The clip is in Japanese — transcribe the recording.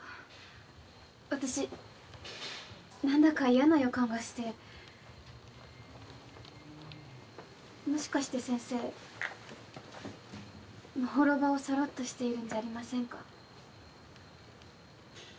「私何だか嫌な予感がしてもしかして先生まほろばを去ろうとしているんじゃありませんか？」